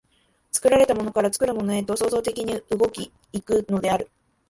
作られたものから作るものへと創造的に動き行くのである。